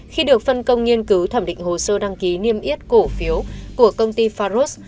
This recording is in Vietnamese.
khi được phân công nghiên cứu thẩm định hồ sơ đăng ký niêm yết cổ phiếu của công ty faros